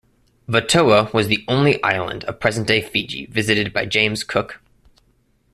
Vatoa was the only island of present-day Fiji visited by James Cook.